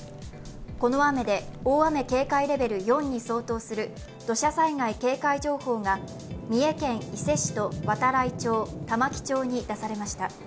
この雨で大雨警戒レベル４に相当する土砂災害警戒情報が三重県伊勢市と度会町、玉城町に出されました。